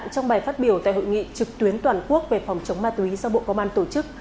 trong bài phát biểu tại hội nghị trực tuyến toàn quốc về phòng chống ma túy do bộ công an tổ chức